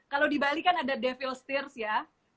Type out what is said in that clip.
kalau di bali kan ada devil's tears ya